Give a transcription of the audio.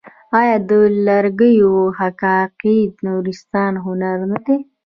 آیا د لرګیو حکاکي د نورستان هنر نه دی؟